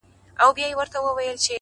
ه یاره ولي چوپ یې مخکي داسي نه وې ـ